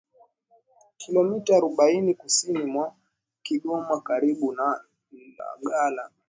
kilomita arobaini kusini mwa Kigoma karibu na Ilagala